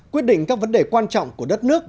quyết định các vấn đề quan trọng của đất nước